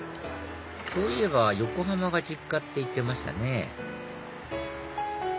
そういえば横浜が実家って言ってましたね